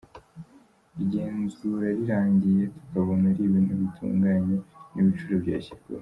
Igenzura rirangiye tukabona ari ibintu bitunganye, n’ibiciro byashyirwaho.